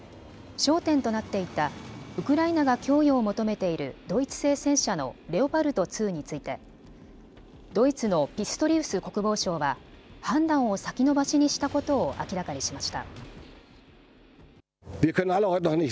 焦点となっていたウクライナが供与を求めているドイツ製戦車のレオパルト２についてドイツのピストリウス国防相は判断を先延ばしにしたことを明らかにしました。